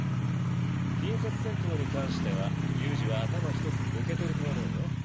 近接戦闘に関しては悠仁は頭一つ抜けてると思うよ。